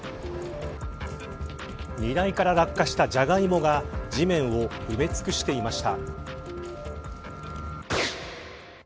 荷台から落下したジャガイモが地面を埋め尽くしていました。